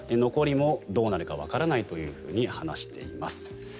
残りもどうなるかわからないというふうに話しています。